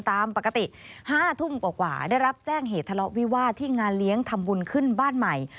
ตามปกติ๕ทุ่มกว่าได้รับแจ้งเหตุทะเลาะวิวาสที่งานเลี้ยงทำบุญขึ้นบ้านใหม่